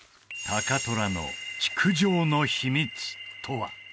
高虎の築城の秘密とは？